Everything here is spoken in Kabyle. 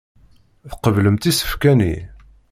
Tqeblemt isefka-nni.